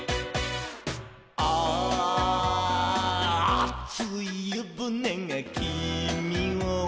「あついゆぶねがきみを」